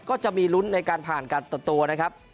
ก็จะมีลุ้นในการผ่านการตัดตัวนะครับ